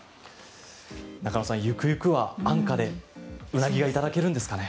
中野さん、行く行くは安価でウナギがいただけるんですかね。